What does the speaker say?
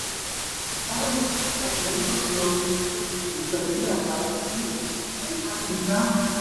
Che jarýi róga ykérenteko ajogapova'ekue.